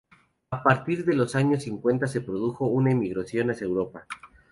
A partir de los años cincuenta se produjo una emigración hacia Europa.